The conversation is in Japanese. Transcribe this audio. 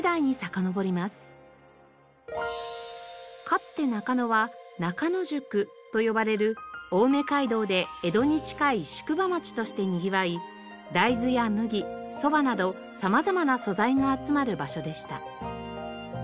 かつて中野は中野宿と呼ばれる青梅街道で江戸に近い宿場町としてにぎわい大豆や麦そばなど様々な素材が集まる場所でした。